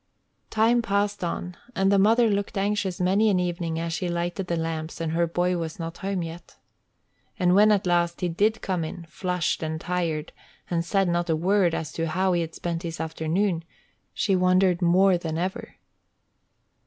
Time passed on, and the mother looked anxious many an evening as she lighted the lamps and her boy was not home yet. And when at last he did come in, flushed and tired, and said not a word as to how he had spent his afternoon, she wondered more than ever.